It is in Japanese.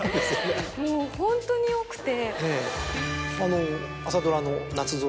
もうホントに多くて。